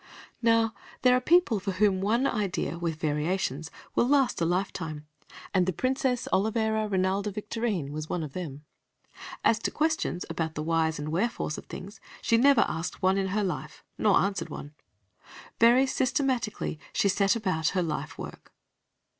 Now, there are people for whom one idea, with variations, will last a lifetime, and the Princess Olivera Rinalda Victorine was one of them. As to questions about the whys and wherefores of things, she never asked one in her life, nor answered one. Very systematically she set about her life work.